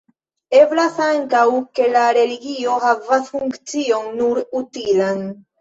Eblas ankaŭ ke la religio havas funkcion nur utilan.